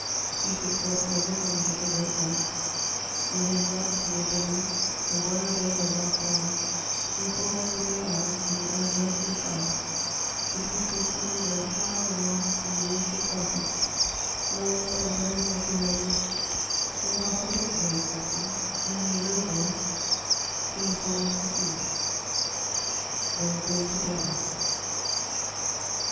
Seated cross legged on a little rope mat, their head wrapped in their burnoose, they while away their last hours in following with their eyes, in the azure of the sky, the beautiful flamingo flying along the ruins of Carthage; lulled by the murmuring of the waves, they half forget their existence and, in a low voice, sing a song of the sea: they are going to die.